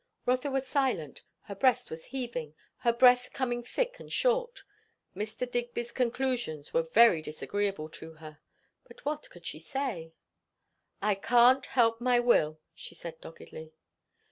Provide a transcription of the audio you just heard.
Rotha was silent. Her breast was heaving, her breath coming thick and short. Mr. Digby's conclusions were very disagreeable to her; but what could she say? "I can't help my will," she said doggedly.